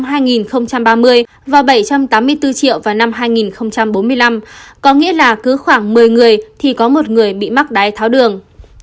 dự đoán con số này sẽ tăng lên sáu trăm bốn mươi ba triệu vào năm hai nghìn bốn mươi năm có nghĩa là cứ khoảng một mươi người thì có một người bị mắc đài tháo đường